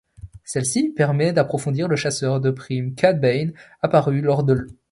Celle-ci permet d'approfondir le chasseur de primes Cad Bane apparu lors de l'.